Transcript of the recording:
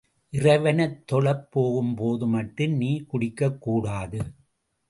இறைவனைத் தொழப் போகும் போது மட்டும் நீ குடிக்கக் கூடாது.